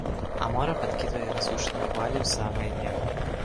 А мора падкідвае раз'юшаныя хвалі ў самае неба.